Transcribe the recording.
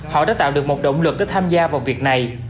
họ đã tạo được một động lực để tham gia vào việc này